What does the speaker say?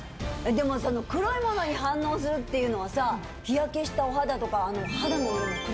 でも黒いモノに反応するっていうのはさ日焼けしたお肌とか。